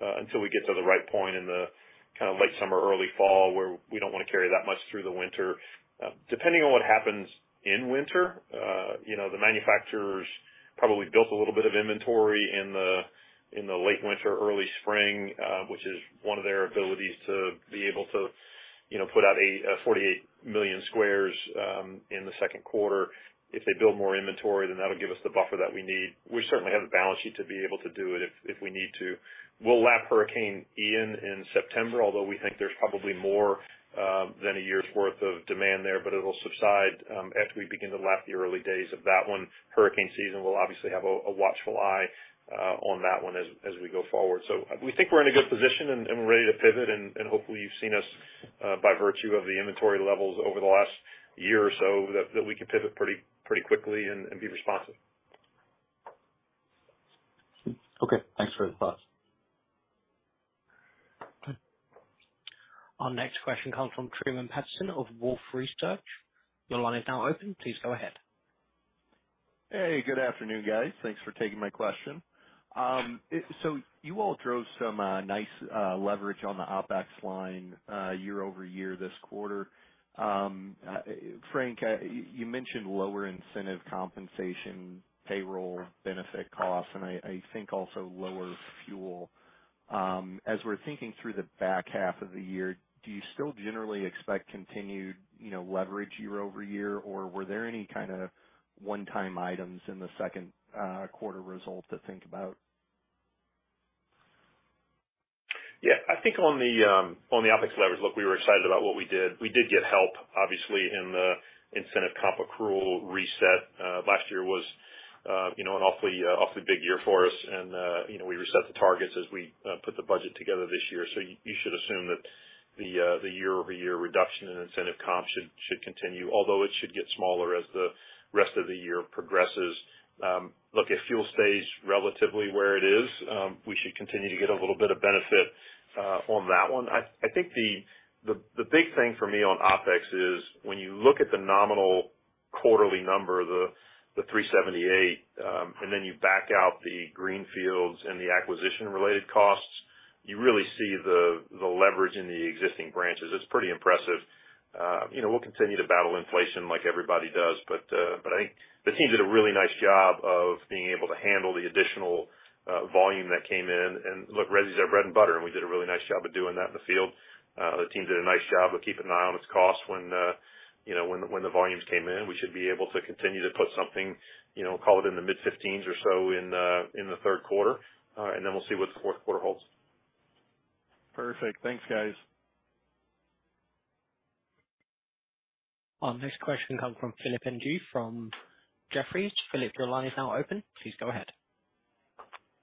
until we get to the right point in the kind of late summer, early fall, where we don't want to carry that much through the winter. Depending on what happens in winter, you know, the manufacturers probably built a little bit of inventory in the late winter, early spring, which is one of their abilities to be able to, you know, put out a 48 million squares in the second quarter. If they build more inventory, that'll give us the buffer that we need. We certainly have the balance sheet to be able to do it if we need to. We'll lap Hurricane Ian in September, although we think there's probably more than a year's worth of demand there, but it'll subside after we begin to lap the early days of that one. Hurricane season, we'll obviously have a watchful eye on that one as we go forward. We think we're in a good position, and, and we're ready to pivot, and, and hopefully, you've seen us, by virtue of the inventory levels over the last year or so, that, that we can pivot pretty, pretty quickly and, and be responsive. Okay, thanks for the thoughts. Our next question comes from Truman Patterson of Wolfe Research. Your line is now open. Please go ahead. Hey, good afternoon, guys. Thanks for taking my question. So you all drove some nice leverage on the OpEx line year-over-year this quarter. Frank, y-you mentioned lower incentive compensation, payroll benefit costs, and I, I think also lower fuel. As we're thinking through the back half of the year, do you still generally expect continued, you know, leverage year-over-year, or were there any kind of one-time items in the second quarter result to think about? Yeah, I think on the OpEx leverage, look, we were excited about what we did. We did get help, obviously, in the incentive comp accrual reset. Last year was, you know, an awfully, awfully big year for us, and, you know, we reset the targets as we put the budget together this year. You should assume that the year-over-year reduction in incentive comp should, should continue, although it should get smaller as the rest of the year progresses. Look, if fuel stays relatively where it is, we should continue to get a little bit of benefit on that one. I think the big thing for me on OpEx is, when you look at the nominal quarterly number, the $378, and then you back out the greenfields and the acquisition-related costs, you really see the leverage in the existing branches. It's pretty impressive. You know, we'll continue to battle inflation like everybody does, but I think the team did a really nice job of being able to handle the additional volume that came in. Look, resi's our bread and butter, and we did a really nice job of doing that in the field. The team did a nice job of keeping an eye on its costs when, you know, when the volumes came in. We should be able to continue to put something, you know, call it in the mid-15s or so in the third quarter, and then we'll see what the fourth quarter holds. Perfect. Thanks, guys. Our next question comes from Philip Ng from Jefferies. Philip, your line is now open. Please go ahead.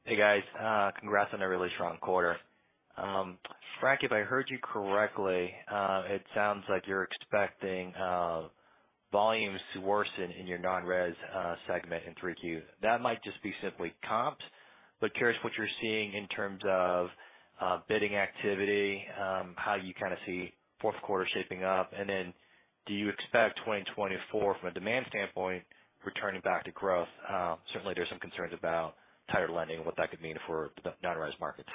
Hey, guys, congrats on a really strong quarter. Frank, if I heard you correctly, it sounds like you're expecting volumes to worsen in your Non-res segment in 3Q. That might just be simply comped, but curious what you're seeing in terms of bidding activity, how you kind of see fourth quarter shaping up. Do you expect 2024, from a demand standpoint, returning back to growth? Certainly there's some concerns about tighter lending and what that could mean for the Non-res markets.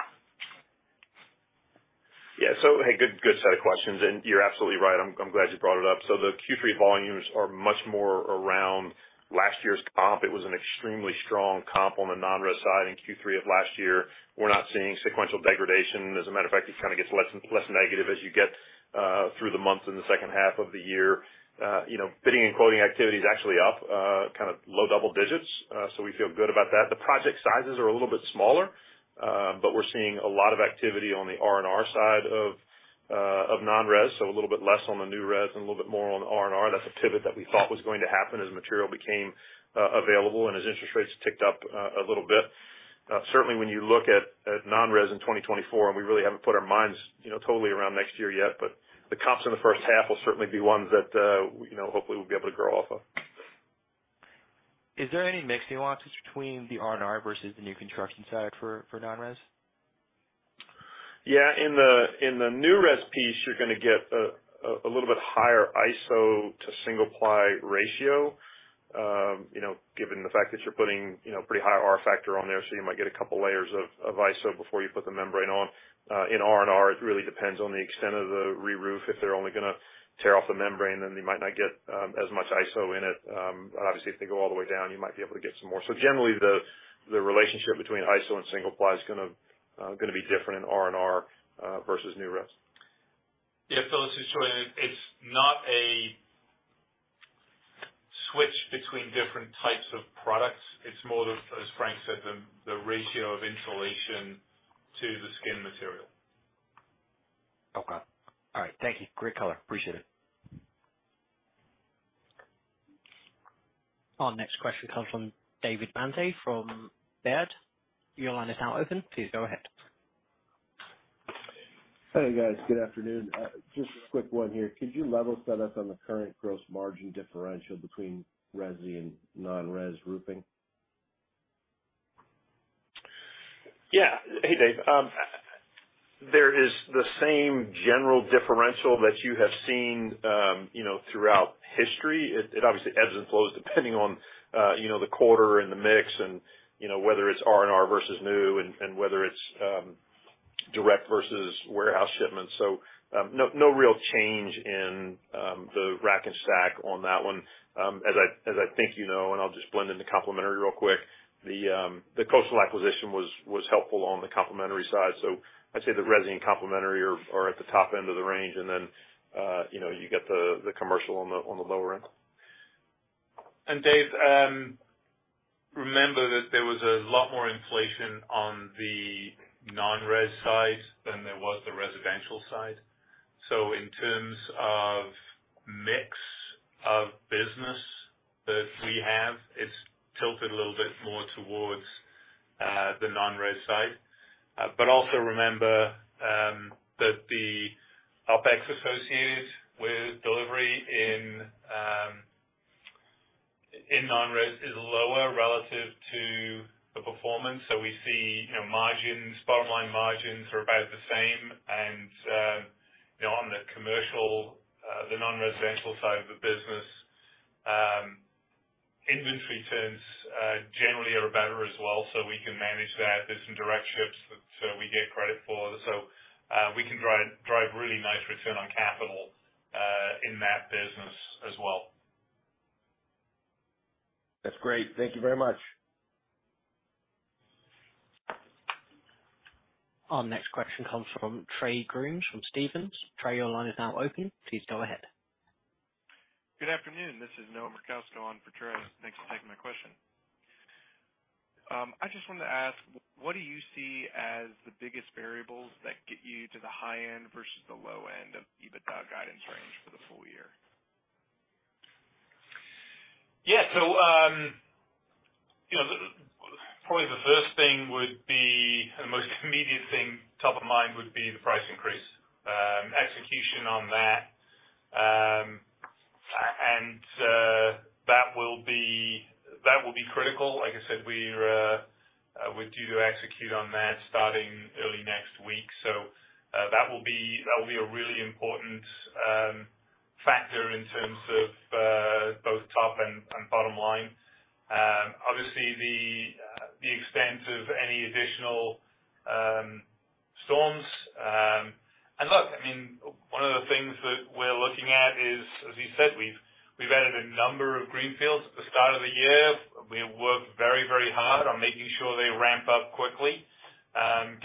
Yeah. Hey, good, good set of questions, and you're absolutely right. I'm, I'm glad you brought it up. The Q3 volumes are much more around last year's comp. It was an extremely strong comp on the non-res side in Q3 of last year. We're not seeing sequential degradation. As a matter of fact, it kind of gets less, less negative as you get through the months in the second half of the year. You know, bidding and quoting activity is actually up kind of low double digits. We feel good about that. The project sizes are a little bit smaller, but we're seeing a lot of activity on the R&R side of non-res, so a little bit less on the new res and a little bit more on the R&R. That's a pivot that we thought was going to happen as material became available and as interest rates ticked up a little bit. Certainly when you look at, at non-res in 2024, we really haven't put our minds, you know, totally around next year yet, but the comps in the first half will certainly be ones that, you know, hopefully we'll be able to grow off of. Is there any mixing watches between the R&R versus the new construction side for, for non-res? Yeah, in the, in the new res piece, you're gonna get a, a, a little bit higher ISO to single ply ratio. You know, given the fact that you're putting, you know, pretty high R factor on there, so you might get a couple layers of, of ISO before you put the membrane on. In R&R, it really depends on the extent of the reroof. If they're only gonna tear off the membrane, then you might not get as much ISO in it. Obviously, if they go all the way down, you might be able to get some more. Generally, the, the relationship between ISO and single ply is gonna be different in R&R versus new res. Yeah, Philip, this is Julian. It's not a switch between different types of products. It's more of, as Frank said, the ratio of insulation to the skin material. Okay. All right, thank you. Great color. Appreciate it. Our next question comes from David Manthey from Baird. Your line is now open. Please go ahead. Hey, guys. Good afternoon. Just a quick one here. Could you level set us on the current gross margin differential between resi and non-res roofing? Yeah. Hey, Dave. There is the same general differential that you have seen, you know, throughout history. It, it obviously ebbs and flows depending on, you know, the quarter and the mix and, you know, whether it's R&R versus new and, and whether it's direct versus warehouse shipments. No, no real change in the rack and stack on that one. As I, as I think you know, and I'll just blend in the complimentary real quick, the Coastal acquisition was, was helpful on the complimentary side. I'd say the resi and complimentary are, are at the top end of the range, and then, you know, you get the, the commercial on the, on the lower end. Dave, remember that there was a lot more inflation on the non-res side than there was the residential side. In terms of mix of business that we have, it's tilted a little bit more towards the non-res side. But also remember that the OpEx associated with delivery in non-res is lower relative to the performance. We see, you know, margins, bottom line margins are about the same. And, you know, on the commercial, the non-residential side of the business, inventory turns generally are better as well, so we can manage that. There's some direct ships that we get credit for. We can drive, drive really nice return on capital in that business as well. That's great. Thank you very much. Our next question comes from Trey Grooms from Stephens. Trey, your line is now open. Please go ahead. Good afternoon. This is Noah Merkousko on for Trey. Thanks for taking my question. I just wanted to ask, what do you see as the biggest variables that get you to the high end versus the low end of EBITDA guidance range for the full year? Yeah. you know, probably the first thing would be... the most immediate thing, top of mind would be the price increase, execution on that. That will be, that will be critical. Like I said, we're, we're due to execute on that starting early next week. That will be, that will be a really important factor in terms of both top and bottom line. Obviously, the extent of any additional storms. Look, I mean, one of the things that we're looking at is, as you said, we've, we've added a number of greenfields at the start of the year. We have worked very, very hard on making sure they ramp up quickly,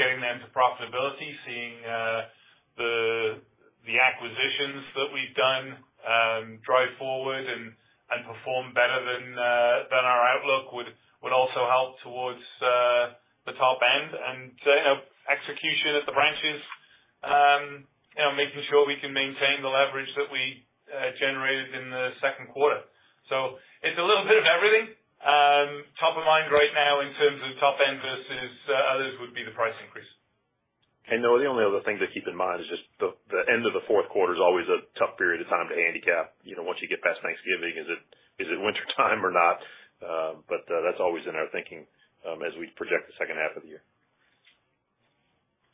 getting them to profitability, seeing the acquisitions that we've done drive forward and perform better than help towards the top end and execution at the branches. You know, making sure we can maintain the leverage that we generated in the second quarter. It's a little bit of everything. Top of mind right now, in terms of top end versus others, would be the price increase. The only other thing to keep in mind is just the end of the fourth quarter is always a tough period of time to handicap. You know, once you get past Thanksgiving, is it, is it wintertime or not? That's always in our thinking as we project the second half of the year.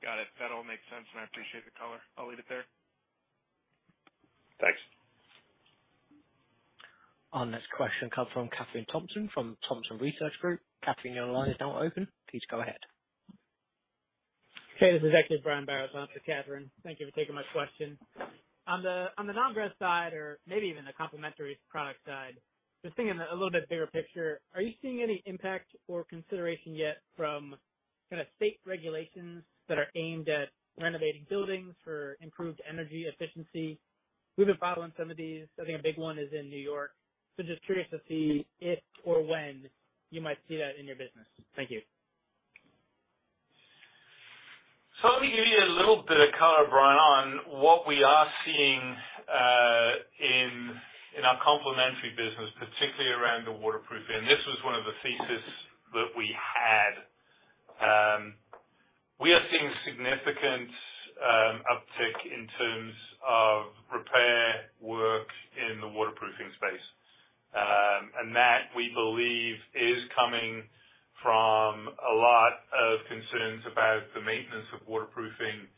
Got it. That all makes sense, and I appreciate the color. I'll leave it there. Thanks. Our next question comes from Kathryn Thompson, from Thompson Research Group. Kathryn, your line is now open. Please go ahead. Okay, this is actually Brian Biros on for Kathryn. Thank you for taking my question. On the non-resi side or maybe even the complementary product side, just thinking a little bit bigger picture, are you seeing any impact or consideration yet from kind of state regulations that are aimed at renovating buildings for improved energy efficiency? We've been following some of these. I think a big one is in New York. Just curious to see if or when you might see that in your business. Thank you. Let me give you a little bit of color, Brian, on what we are seeing in, in our complementary business, particularly around the waterproofing. This was one of the thesis that we had. We are seeing significant uptick in terms of repair work in the waterproofing space. That, we believe, is coming from a lot of concerns about the maintenance of waterproofing,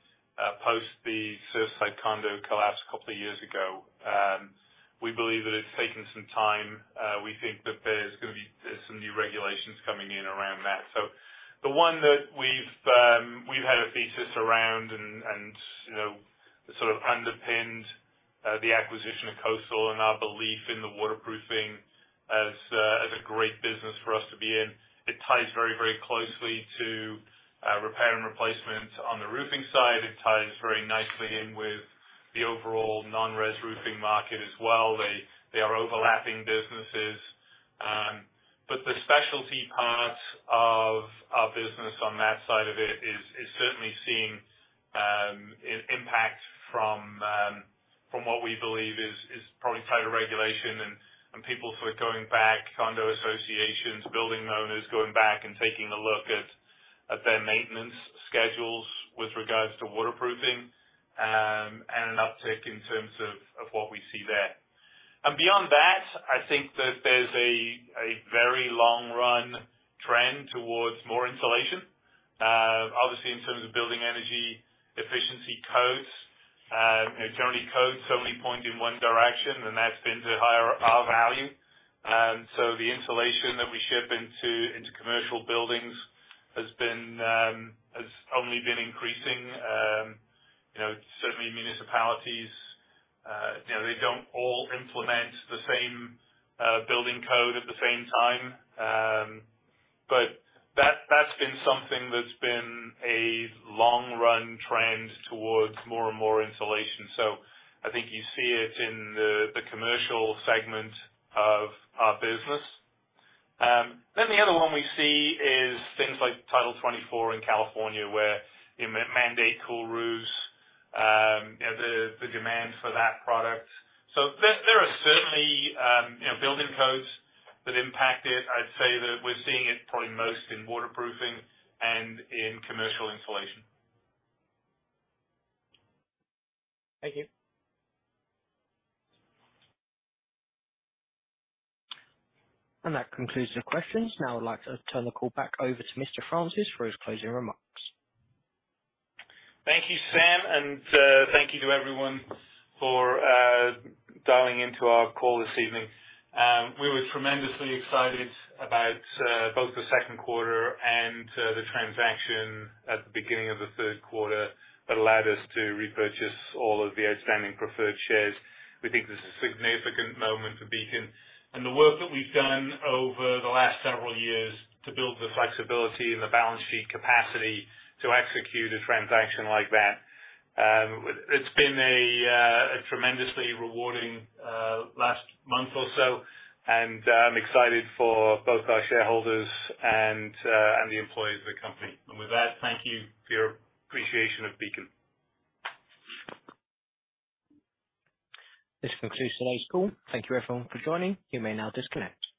post the Surfside Condo collapse 2 years ago. We believe that it's taken some time. We think that there's gonna be some new regulations coming in around that. The one that we've, we've had a thesis around and, and, you know, sort of underpinned, the acquisition of Coastal and our belief in the waterproofing as a, as a great business for us to be in. It ties very, very closely to repair and replacement on the roofing side. It ties very nicely in with the overall non-res roofing market as well. They, they are overlapping businesses. But the specialty part of our business on that side of it is, is certainly seeing impact from from what we believe is, is probably tighter regulation and people sort of going back, condo associations, building owners, going back and taking a look at, at their maintenance schedules with regards to waterproofing, and an uptick in terms of, of what we see there. Beyond that, I think that there's a very long run trend towards more insulation. Obviously, in terms of building energy efficiency codes. You know, generally codes only point in one direction, and that's been to higher R-value. The insulation that we ship into, into commercial buildings has been, has only been increasing. You know, certainly municipalities, you know, they don't all implement the same building code at the same time. That, that's been something that's been a long run trend towards more and more insulation. I think you see it in the, the commercial segment of our business. The other one we see is things like Title 24 in California, where you mandate cool roofs, you know, the, the demand for that product. There, there are certainly, you know, building codes that impact it. I'd say that we're seeing it probably most in waterproofing and in commercial insulation. Thank you. That concludes the questions. Now I'd like to turn the call back over to Mr. Francis for his closing remarks. Thank you, Sam, and thank you to everyone for dialing into our call this evening. We were tremendously excited about both the second quarter and the transaction at the beginning of the third quarter that allowed us to repurchase all of the outstanding preferred shares. We think this is a significant moment for Beacon and the work that we've done over the last several years to build the flexibility and the balance sheet capacity to execute a transaction like that. It's been a tremendously rewarding last month or so, and I'm excited for both our shareholders and the employees of the company. With that, thank you for your appreciation of Beacon. This concludes today's call. Thank you, everyone, for joining. You may now disconnect.